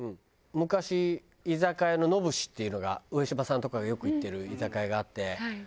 昔居酒屋の野武士っていうのが上島さんとかがよく行ってる居酒屋があって。